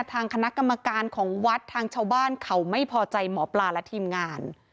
ทางคณะกรรมการของวัดทางชาวบ้านเขาไม่พอใจหมอปลาและทีมงาน